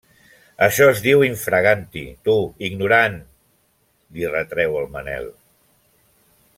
Això es diu in fraganti, tu, ignorant —li retrau el Manel.